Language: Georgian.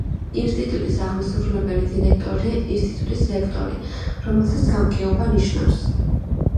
ინსტიტუტის აღმასრულებელი დირექტორია ინსტიტუტის რექტორი, რომელსაც გამგეობა ნიშნავს.